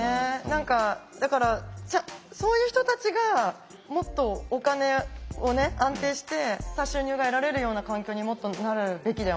何かだからそういう人たちがもっとお金をね安定した収入が得られるような環境にもっとなるべきだよなって思いますよね。